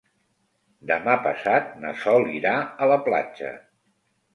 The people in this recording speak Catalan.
Demà passat na Sol irà a la platja.